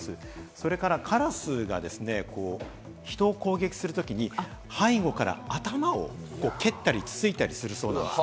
それからカラスが人を攻撃する時に、背後から頭を蹴ったりつついたりするそうなんです。